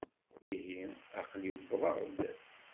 Ihi, aql-i wwḍeɣ-d.